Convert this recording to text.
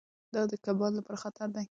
دا د کبانو لپاره خطر دی.